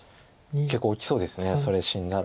結構大きそうですそれ死んだら。